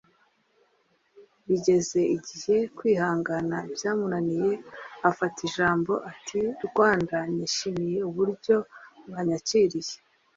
Bigeze igihe kwihangana byamunaniye afata ijambo ati “Rwanda nishimiye uburyo mwanyakiriye